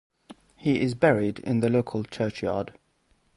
He is buried in the local churchyard.